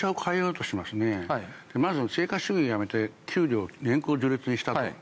まず成果主義をやめて給料を年功序列にしたと。